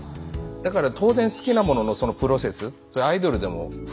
だから当然好きなもののそのプロセスそれはアイドルでも服でも一緒ですよね。